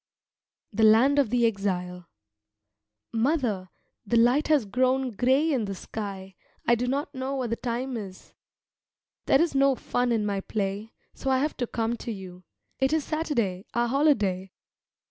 THE LAND OF THE EXILE Mother, the light has grown grey in the sky; I do not know what the time is. There is no fun in my play, so I have come to you. It is Saturday, our holiday.